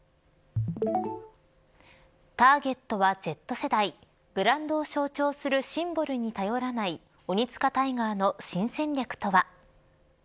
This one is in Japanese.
ターゲットはＺ世代ブランドを象徴するシンボルに頼らないオニツカタイガーの新戦略とは。